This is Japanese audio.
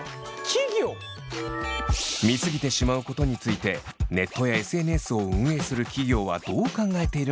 見過ぎてしまうことについてネットやＳＮＳを運営する企業はどう考えているのか？